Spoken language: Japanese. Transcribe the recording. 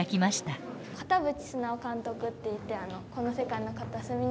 片渕須直監督っていって「この世界の片隅に」の。